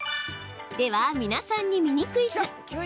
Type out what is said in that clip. では皆さんにミニクイズ。